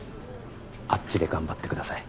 あっちで頑張ってください